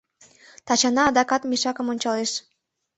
— Тачана адакат мешакым ончалеш.